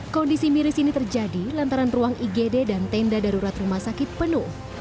kondisi miris ini terjadi lantaran ruang igd dan tenda darurat rumah sakit penuh